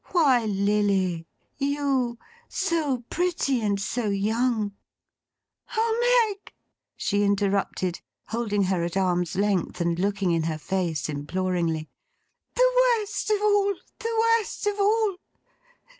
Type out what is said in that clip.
'Why, Lilly! You! So pretty and so young!' 'Oh Meg!' she interrupted, holding her at arm's length, and looking in her face imploringly. 'The worst of all, the worst of all!